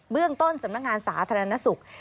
เรื่องต้นสำนักงานสาธารณสุข